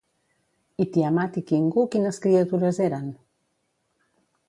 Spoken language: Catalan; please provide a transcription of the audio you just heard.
I Tiamat i Kingu quines criatures eren?